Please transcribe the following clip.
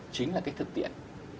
chính là cái thực tiện